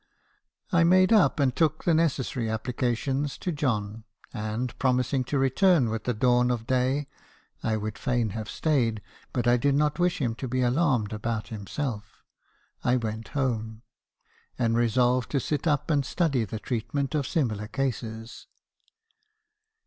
I made up and took the necessary appli cations to John ; and , promising to return with the dawn of day (I would fain have stayed , but I did not wish him to be alarmed about himself) , I went home , and resolved to sit up and study the treatment of similar cases.